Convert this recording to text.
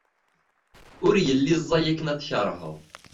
Ur yelli ẓẓay akken ad tkerheḍ.